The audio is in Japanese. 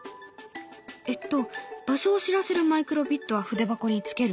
えっと場所を知らせるマイクロビットは筆箱につける。